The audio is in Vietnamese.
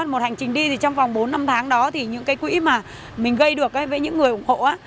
một hành trình đi trong vòng bốn năm tháng đó những quỹ mà mình gây được với những người ủng hộ